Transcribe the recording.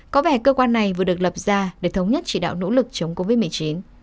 có vẻ cơ quan này vừa được lập ra để thống nhất chỉ đạo nỗ lực chống covid một mươi chín